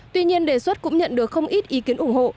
tuy nhiên đề xuất cũng nhận được không ít ý kiến ủng hộ